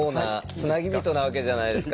「つなぎびと」なわけじゃないですか。